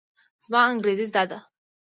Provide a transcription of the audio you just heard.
زما انګرېزي زده ده.